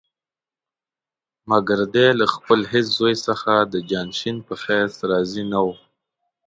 مګر دی له خپل هېڅ زوی څخه د جانشین په حیث راضي نه وو.